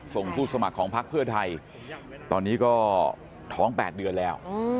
ผู้สมัครของพักเพื่อไทยตอนนี้ก็ท้อง๘เดือนแล้ว